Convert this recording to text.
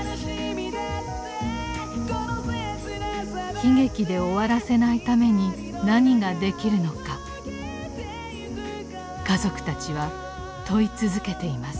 悲劇で終わらせないために何ができるのか家族たちは問い続けています。